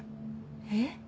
えっ？